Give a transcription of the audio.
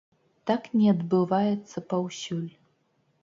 Так не адбываецца паўсюль.